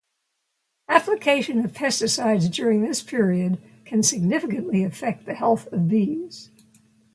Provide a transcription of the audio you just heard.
Application of pesticides during this period can significantly affect the health of bees.